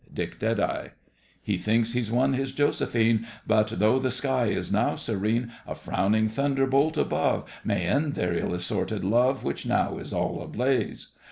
DICK DEADEYE He thinks he's won his Josephine, But though the sky is now serene, A frowning thunderbolt above May end their ill assorted love Which now is all ablaze.